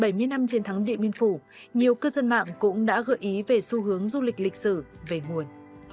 sau dư âm lễ kỷ niệm bảy mươi năm chiến thắng địa miên phủ nhiều cư dân mạng cũng đã gợi ý về xu hướng du lịch lịch sử về nguồn